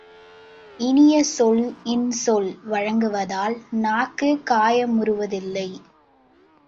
இனிய சொல் இன்சொல் வழங்குவதால் நாக்கு காயமுறுவதில்லை.